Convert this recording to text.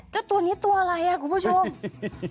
เจ้าตัวนี้ตัวอะไรอ่ะคุณผู้ชม